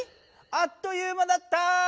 あっという間だった！